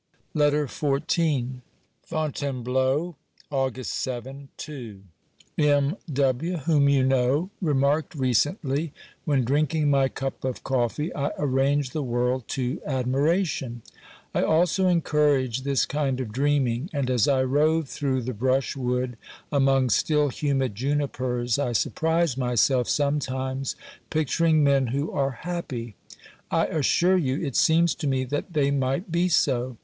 6o OBERMANN LETTER XIV FONTAINEBLEAU, AugUS^J (II). M W , whom you know, remarked recently :" When drinking my cup of coffee, I arrange the world to admiration." — I also encourage this kind of dreaming, and as I rove through the brushwood, among still humid junipers, I surprise myself sometimes picturing men who are happy. I assure you, it seems to me that they might be so.